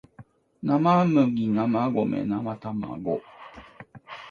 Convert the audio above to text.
生麦生米生たまご